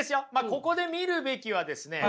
ここで見るべきはですね